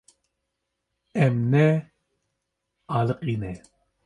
Em nealiqîne.